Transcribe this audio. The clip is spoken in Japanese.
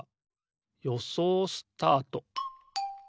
よそうスタート！